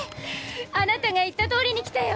あなたが言ったとおりに来たよ！